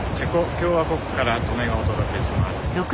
共和国から刀祢がお届けします。